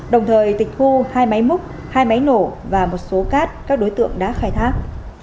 đồng thời tịch thu hai máy múc hai máy nổ và một số cát các đối tượng đã khai thác